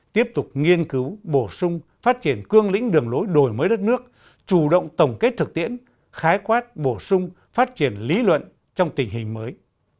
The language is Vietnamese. tiếp tục nghiên cứu bổ sung phát triển cương lĩnh đường lối đổi mới đất nước chủ động tổng kết thực tiễn khái quát bổ sung phát triển lý luận trong tình hình mới